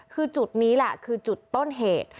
คือจุดนี้แหละคือจุดต้นเหตุ